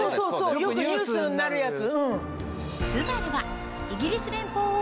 よくニュースになるやつ！